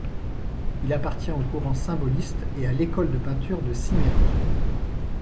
Il appartient au courant symboliste et à l'école de peinture de Cimmérie.